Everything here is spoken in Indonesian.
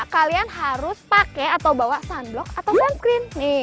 kalian harus pake atau bawa sunblock atau sunscreen nih